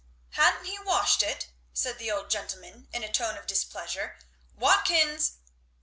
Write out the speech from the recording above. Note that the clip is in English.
"Ha'n't he washed it!" said the old gentleman in a tone of displeasure. "Watkins!"